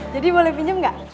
jadi boleh pinjam nggak